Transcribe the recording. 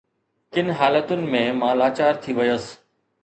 ڪن حالتن ۾ مان لاچار ٿي ويس